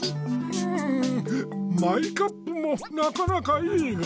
んんマイカップもなかなかいいが。